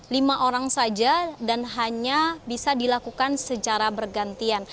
lima orang saja dan hanya bisa dilakukan secara bergantian